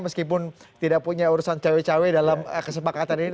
meskipun tidak punya urusan cewe cewe dalam kesepakatan ini